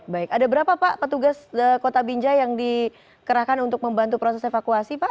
baik ada berapa pak petugas kota binjai yang dikerahkan untuk membantu proses evakuasi pak